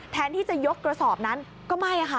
แทนที่จะยกกระสอบนั้นก็ไม่ค่ะ